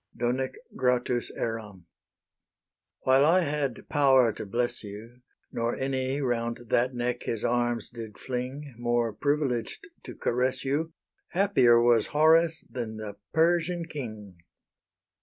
IX. DONEC GRATUS ERAM. HORACE. While I had power to bless you, Nor any round that neck his arms did fling More privileged to caress you, Happier was Horace than the Persian king.